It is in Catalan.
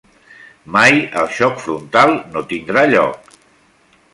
Mai, el xoc frontal no tindrà lloc.